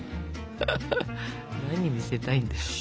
何見せたいんだよ。